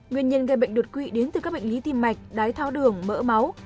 nguyên nhân gây bệnh đột quỵ đến từ các bệnh lý tim mạch đái tháo đường mỡ máu